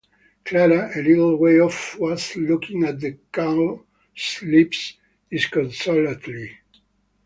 Clara, a little way off, was looking at the cowslips disconsolately.